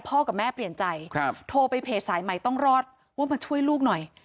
กับแม่เปลี่ยนใจครับโทรไปเพจสายใหม่ต้องรอดว่ามาช่วยลูกหน่อย